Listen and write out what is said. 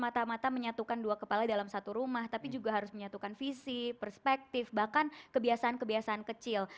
mata mata menyatukan dua kepala dalam satu rumah tapi juga harus menyatukan visi perspektif bahkan kebiasaan kebiasaan kecil